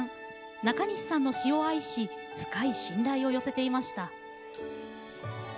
なかにしさんの詞を愛し深い信頼を寄せていました。